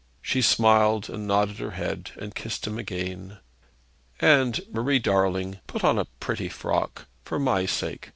She smiled, and nodded her head, and kissed him again. 'And, Marie darling, put on a pretty frock, for my sake.